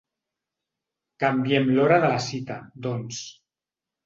Canviem l'hora de la cita, doncs.